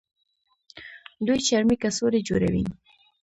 دوی چرمي کڅوړې جوړوي.